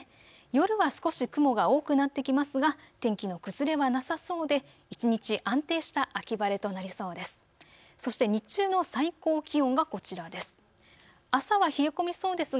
夜は少し雲が多くなってきますが天気の崩れはなさそうで一日安定した秋晴れとなりそうです。